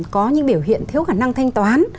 có những biểu hiện thiếu khả năng thanh toán